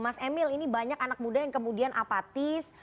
mas emil ini banyak anak muda yang kemudian apatis